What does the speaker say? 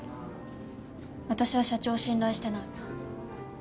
私は社長を信頼してない。